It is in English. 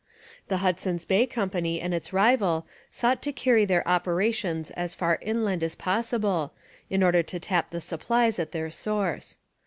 The Hudson's Bay Company and its rival sought to carry their operations as far inland as possible in order to tap the supplies at their source.